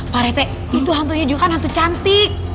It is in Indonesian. pak rete itu hantunya juga hantu cantik